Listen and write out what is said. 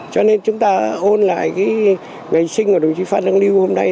cho nên chúng ta ôn lại cái ngày sinh của đồng chí phan đăng lưu hôm đấy